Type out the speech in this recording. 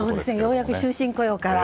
ようやく終身雇用から。